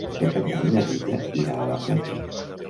Per Cap d'Any na Rita irà a la platja.